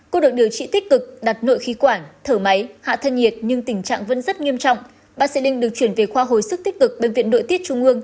cô được điều trị tích cực đặt nội khí quản thở máy hạ thân nhiệt nhưng tình trạng vẫn rất nghiêm trọng